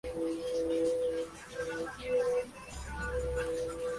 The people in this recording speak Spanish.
Lloyd lucha para protegerla.